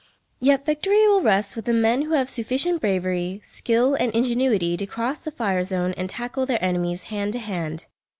Yet victory will rest with the men who have sufficient bravery, skill and ingenuity to cross the fire zone and tackle their enemies hand to hand.